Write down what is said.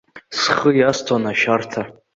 Схы иасҭон ашәарҭа.